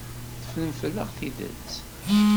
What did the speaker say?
Teffremt fell-aɣ tidet.